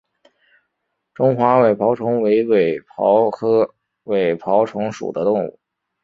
中华尾孢虫为尾孢科尾孢虫属的动物。